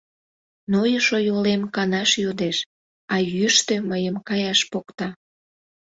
Нойышо йолем канаш йодеш, а йӱштӧ мыйым каяш покта.